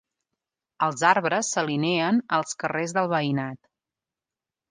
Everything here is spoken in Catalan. Els arbres s'alineen als carrers del veïnat.